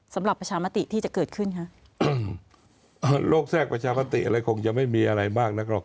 ประชามติที่จะเกิดขึ้นคะโลกแทรกประชามติอะไรคงจะไม่มีอะไรมากนักหรอก